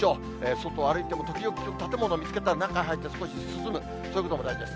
外を歩いても、時々建物を見つけたら、中へ入って少し涼む、そういうことも大事です。